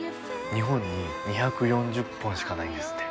日本に２４０本しかないんですって。